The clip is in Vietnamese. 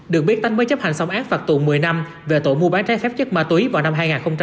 được biết tánh mới chấp hành xong ác phạt tù một mươi năm về tội mua bán trái phép chất ma túy vào năm hai nghìn hai mươi